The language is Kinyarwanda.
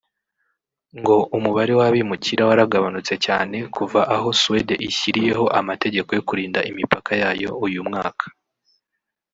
ngo umubare w’abimukira waragabanutse cyane kuva aho Suède ishyiriyeho amategeko yo kurinda imipaka yayo uyu mwaka